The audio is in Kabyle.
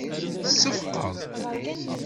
Tseffqeḍ.